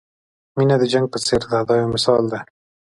مینه د جنګ په څېر ده دا یو مثال دی.